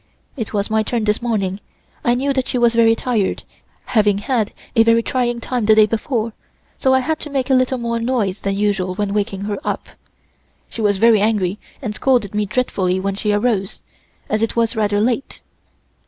It was my turn this morning. I knew that she was very tired, having had a very trying time the day before, so I had to make a little more noise than usual when waking her. She was very angry and scolded me dreadfully when she arose, as it was rather late.